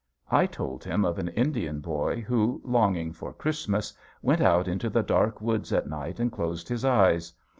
I told him of an Indian boy who, longing for Christmas, went out into the dark woods at night and closed his eyes.